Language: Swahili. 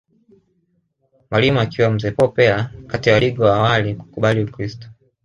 Mwalimu akiwa mzee Paul Pera kati ya wadigo wa awali kukubali Ukiristo